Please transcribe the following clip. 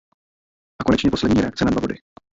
A konečně poslední reakce na dva body.